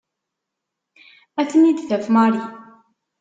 Ad ten-id-taf Mary.